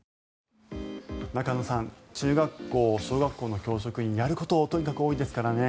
中野さん中学校、小学校の教職員やることとにかく多いですからね。